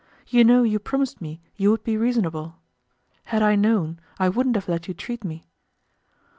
You know you promised me you would be reasonable. Had I known, I wouldn't have let you treat me."